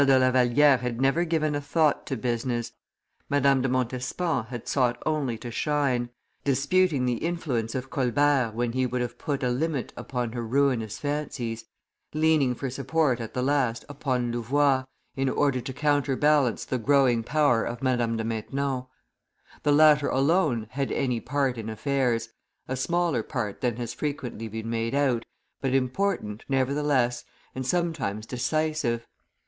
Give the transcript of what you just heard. de La Valliere had never given a thought to business; Madame de Montespan had sought only to shine, disputing the influence of Colbert when he would have put a limit upon her ruinous fancies, leaning for support at the last upon Louvois, in order to counterbalance the growing power of Madame de Maintenon; the latter alone had any part in affairs, a smaller part than has frequently been made out, but important, nevertheless, and sometimes decisive.